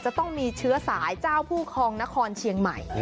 จะต้องมีเชื้อสายเจ้าผู้ครองนครเชียงใหม่